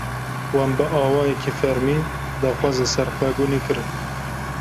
Wan bi awayekî fermî, daxwaza serxwebûnê kirin